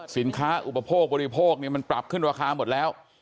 อุปโภคบริโภคมันปรับขึ้นราคาหมดแล้ว